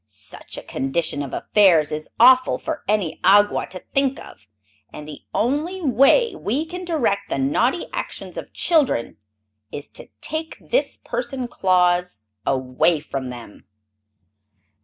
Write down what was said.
Such a condition of affairs is awful for any Awgwa to think of, and the only way we can direct the naughty actions of children is to take this person Claus away from them."